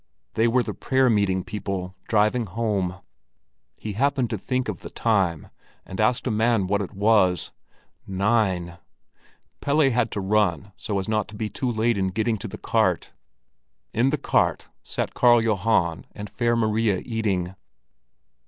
They were the prayer meeting people driving home. He happened to think of the time, and asked a man what it was. Nine! Pelle had to run so as not to be too late in getting to the cart. In the cart sat Karl Johan and Fair Maria eating.